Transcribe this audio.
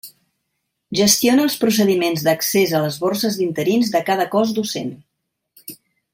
Gestiona els procediments d'accés a les borses d'interins de cada cos docent.